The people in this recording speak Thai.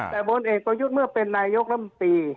แต่พลเอกประยุทธ์เมื่อเป็นนายกรรมตรี